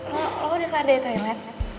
luan lu udah keadaan di toilet